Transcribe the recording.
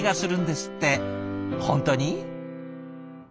本当に？